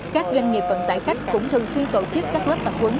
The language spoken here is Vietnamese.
các doanh nghiệp vận tải khách cũng thường xuyên tổ chức các lớp tập quấn